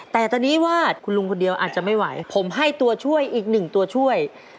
แต่ตอนนี้วาดคุณลุงคนเดียวอาจจะไม่ไหวผมให้ตัวช่วยอีกหนึ่งตัวช่วย